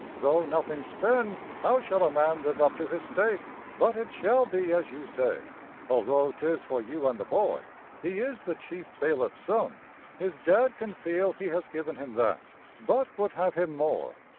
Though nothing spend, how shall a man live up to his state? But it shall be as you say, although 'tis for you and the boy. He is the chief bailiff's son his Dad can feel he has given him that, but would have him more.